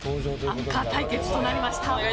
アンカー対決となりました。